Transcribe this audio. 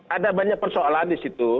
ada banyak persoalan disitu